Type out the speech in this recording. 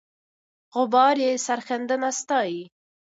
غبار یې سرښندنه ستایي.